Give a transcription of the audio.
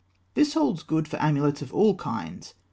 This holds good for amulets of all kinds.